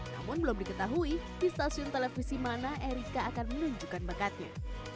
namun belum diketahui di stasiun televisi mana erika akan menunjukkan bakatnya